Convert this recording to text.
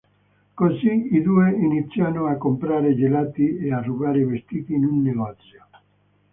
Così i due iniziano a comprare gelati e a rubare vestiti in un negozio.